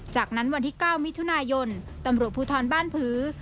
จากนั้นวันที่๙มิถุนายนตำรวจภูทรบ้านผือ